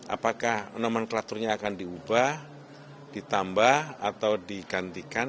apakah nomenklaturnya akan diubah ditambah atau digantikan